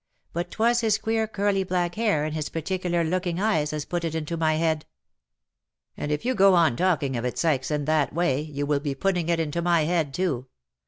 But 'twas his queer curly black hair, and his particular looking eyes as put it into my head." " And if you go on talking of it, Sykes, in that way, you will be putting it into my head too.